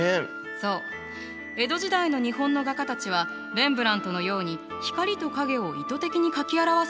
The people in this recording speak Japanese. そう江戸時代の日本の画家たちはレンブラントのように光と影を意図的に描き表そうとする意識があまりなかったのね。